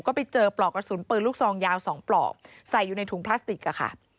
ก็ไปเจอปลอกกระสุนปืนลูกซองยาว๒ปลอกใส่อยู่ในถุงพลาสติกอะค่ะ